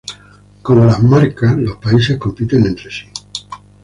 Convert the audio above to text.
Como las marcas, los países compiten entre sí.